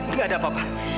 enggak ada apa apa